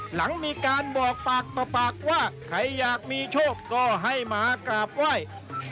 หลังมีการบอกปากต่อปากว่าใครอยากมีโชคก็ให้มากราบไหว้